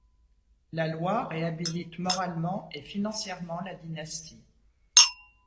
La loi réhabilite moralement et financièrement la dynastie.